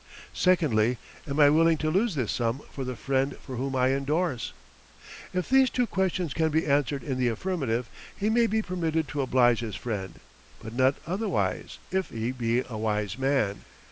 Secondly: Am I willing to lose this sum for the friend for whom I endorse? If these two questions can be answered in the affirmative he may be permitted to oblige his friend, but not otherwise, if he be a wise man.